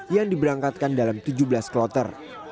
yang diberangkatkan dalam tujuh belas kloter